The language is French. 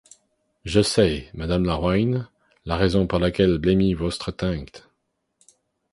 Je sçays, madame la Royne, la raison pour laquelle blesmit vostre tainct.